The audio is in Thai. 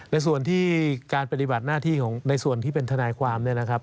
ในส่วนที่การปฏิบัติหน้าที่ของในส่วนที่เป็นทนายความเนี่ยนะครับ